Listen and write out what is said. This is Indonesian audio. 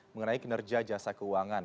mengenai kinerja jasa keuangan